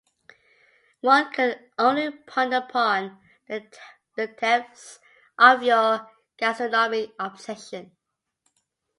One could only ponder upon the depths of your gastronomic obsession.